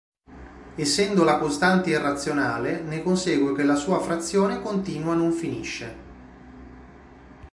Essendo la costante irrazionale, ne consegue che la sua frazione continua non finisce.